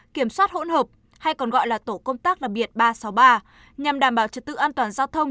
kiểm soát hỗn hợp hay còn gọi là tổ công tác đặc biệt ba trăm sáu mươi ba nhằm đảm bảo trật tự an toàn giao thông